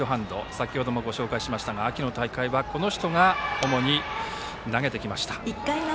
先程もご紹介しましたが秋の大会は、この人が主に投げてきました。